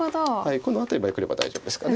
この辺りまでくれば大丈夫ですかね。